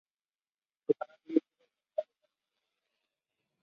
Su canal de YouTube ha alcanzado casi diez millones de vistas.